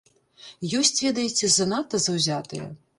Ёсць, ведаеце, занадта заўзятыя.